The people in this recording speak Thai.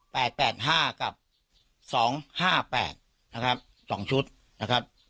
แปดแปดห้ากับสองห้าแปดนะครับสองชุดนะครับ